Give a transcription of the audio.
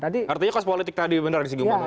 artinya kos politik tadi benar di sisi gumbang donal ya